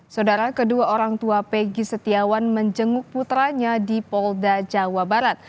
saudara kedua orang tua pegi setiawan menjenguk putranya di polda jawa barat